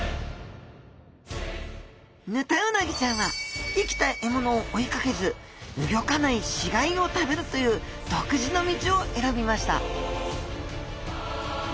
ヌタウナギちゃんは生きた獲物をおいかけずうギョかない死がいを食べるという独自の道をえらびました